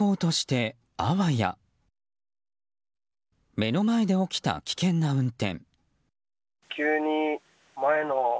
目の前で起きた危険な運転。